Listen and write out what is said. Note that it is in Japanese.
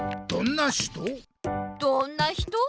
どんな人？